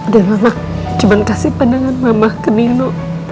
dan mama cuma kasih pandangan mama ke nino